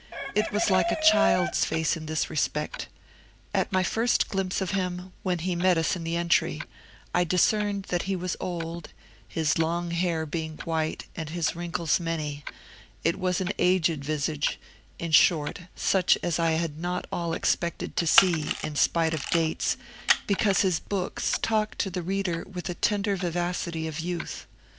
It was like a child's face in this respect. At my first glimpse of him, when he met us in the entry, I discerned that he was old, his long hair being white and his wrinkles many; it was an aged visage, in short, such as I had not at all expected to see, in spite of dates, because his books talk to the reader with the tender vivacity of youth.